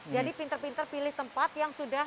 jadi pinter pinter pilih tempat yang sudah